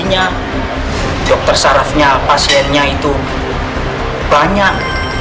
tapi dokter syarabnya pasiennya itu banyak